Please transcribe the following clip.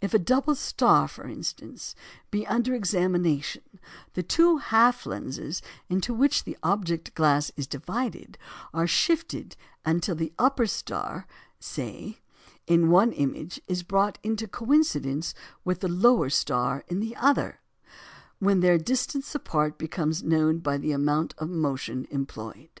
If a double star, for instance, be under examination, the two half lenses into which the object glass is divided are shifted until the upper star (say) in one image is brought into coincidence with the lower star in the other, when their distance apart becomes known by the amount of motion employed.